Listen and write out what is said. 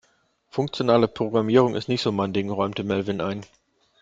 Funktionale Programmierung ist nicht so mein Ding, räumte Melvin ein.